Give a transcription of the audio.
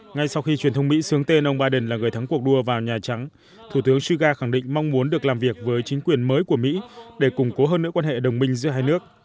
ngay sau khi truyền thông mỹ sướng tên ông biden là người thắng cuộc đua vào nhà trắng thủ tướng suga khẳng định mong muốn được làm việc với chính quyền mới của mỹ để củng cố hơn nữa quan hệ đồng minh giữa hai nước